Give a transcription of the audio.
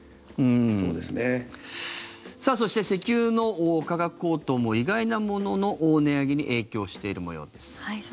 そして、石油の価格高騰も意外なものの値上げに影響している模様です。